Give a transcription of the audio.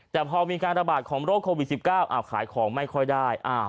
แต่พอมีการระบาดของโรคโควิด๑๙ขายของไม่ค่อยได้